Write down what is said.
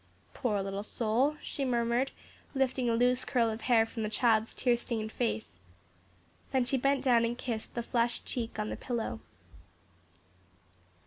"Poor little soul," she murmured, lifting a loose curl of hair from the child's tear stained face. Then she bent down and kissed the flushed cheek on the pillow.